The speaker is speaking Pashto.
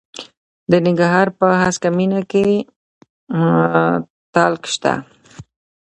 د ننګرهار په هسکه مینه کې تالک شته.